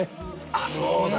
あっそうだ！